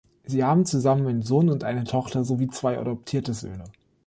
Sie haben zusammen einen Sohn und eine Tochter, sowie zwei adoptierte Söhne.